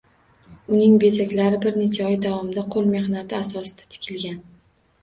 Uning bezaklari bir necha oy davomida qo‘l mehnati asosida tikilgan